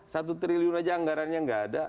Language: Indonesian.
satu triliun saja anggarannya tidak ada